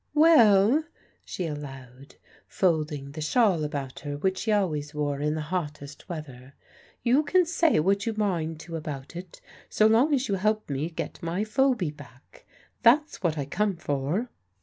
"Well," she allowed, folding the shawl about her which she always wore in the hottest weather; "you can say what you mind to about it, so long as you help me get my Phoby back. That's what I come for."